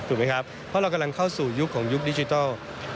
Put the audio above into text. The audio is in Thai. กำลังเข้าสู่ยุคของยุคดิจิทัล